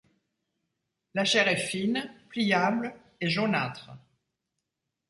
La chair est fine, pliable et jaunâtre.